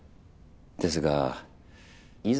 ですがいざ